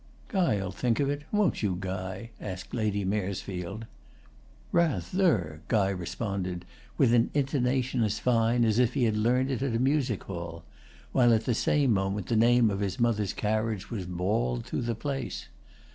"Guy'll think of it, won't you, Guy?" asked Lady Maresfield. "Rather!" Guy responded, with an intonation as fine as if he had learnt it at a music hall; while at the same moment the name of his mother's carriage was bawled through the place.